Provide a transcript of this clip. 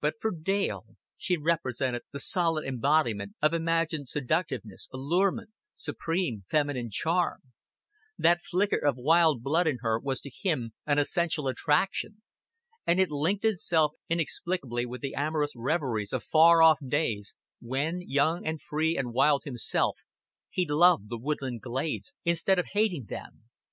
But for Dale she represented the solid embodiment of imagined seductiveness, allurement, supreme feminine charm; that flicker of wild blood in her was to him an essential attraction, and it linked itself inexplicably with the amorous reveries of far off days when, young and free and wild himself, he loved the woodland glades instead of hating them.